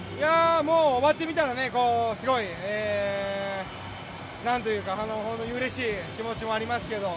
もう終わってみたらすごいうれしい気持ちもありますけど。